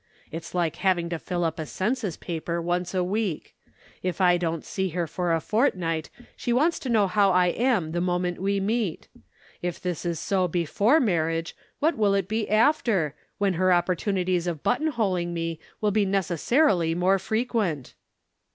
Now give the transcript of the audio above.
It's like having to fill up a census paper once a week. If I don't see her for a fortnight she wants to know how I am the moment we meet. If this is so before marriage, what will it be after, when her opportunities of buttonholing me will be necessarily more frequent?"